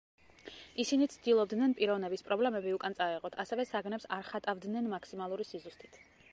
ისინი ცდილობდნენ პიროვნების პრობლემები უკან წაეღოთ, ასევე საგნებს არ ხატავდნენ მაქსიმალური სიზუსტით.